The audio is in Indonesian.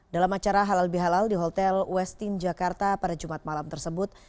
dalam acara halal bihalal di hotel westin jakarta pada jumat malam tersebut